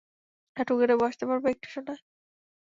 হাঁটু গেঁড়ে বসতে পারবে একটু, সোনা?